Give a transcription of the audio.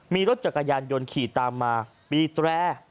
มีรถจักรยานยนต์ขี่ตามมาบีบแตร